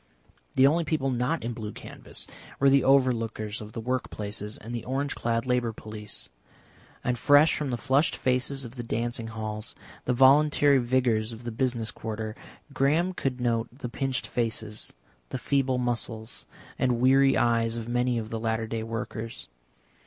The only people not in blue canvas were the overlookers of the work places and the orange clad Labour Police. And fresh from the flushed faces of the dancing halls, the voluntary vigours of the business quarter, Graham could note the pinched faces, the feeble muscles, and weary eyes of many of the latter day workers.